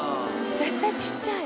絶対ちっちゃい。